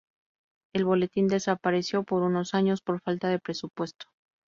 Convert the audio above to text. El Boletín desapareció por unos años por falta de presupuesto.